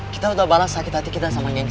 kita udah balas sakit hati kita sama geng serigala